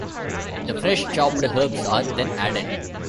The fresh chopped herbs are then added.